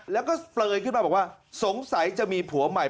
แล้วก็เปลยขึ้นมาบอกว่าสงสัยจะมีผัวใหม่